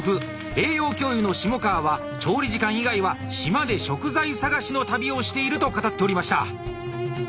栄養教諭の下川は調理時間以外は島で食材探しの旅をしていると語っておりました。